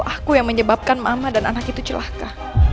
aku yang menyebabkan mama dan anak itu celaka